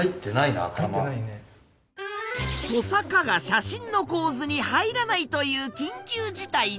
トサカが写真の構図に入らないという緊急事態に。